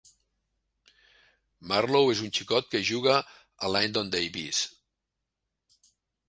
Marlow és un xicot que juga a Lyndon Davies.